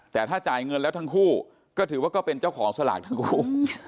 แต่ถ้าจ่ายเงินแล้วทั้งคู่ก็ถือว่าก็เป็นเจ้าของสลากทั้งคู่